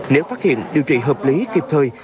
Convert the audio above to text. nếu phát hiện điều trị hợp lý kịp thời